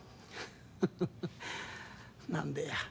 フフフ何でや？